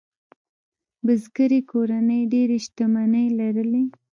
بزګري کورنۍ ډېرې شتمنۍ لرلې.